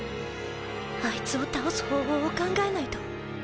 あいつを倒す方法を考えないと